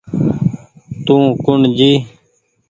تو ڪوٚڻ جي